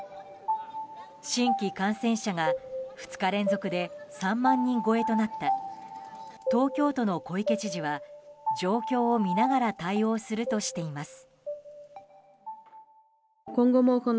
新規感染者が２日連続で３万人超えとなった東京都の小池知事は状況を見ながら対応するとしています。